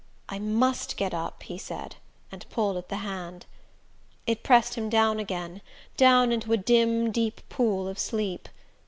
"I MUST get up," he said, and pulled at the hand. It pressed him down again: down into a dim deep pool of sleep.